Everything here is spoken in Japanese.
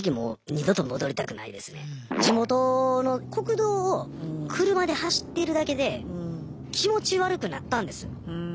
地元の国道を車で走ってるだけで気持ち悪くなったんです。